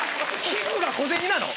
皮膚が小銭なの？